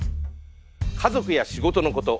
家族や仕事のこと